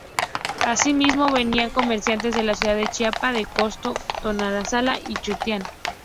Asimismo, venían comerciantes de la ciudad de Chiapa de Corzo, Tonalá y Juchitán.